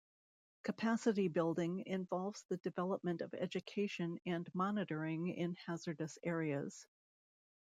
Capacity building involves the development of education and monitoring in hazardous areas.